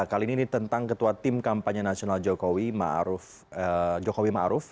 kali ini tentang ketua tim kampanye nasional jokowi ma'aruf